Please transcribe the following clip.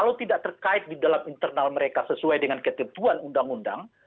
kalau tidak terkait di dalam internal mereka sesuai dengan ketentuan undang undang